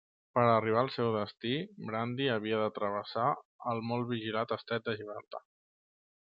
Per arribar al seu destí Brandi havia de travessar el molt vigilat estret de Gibraltar.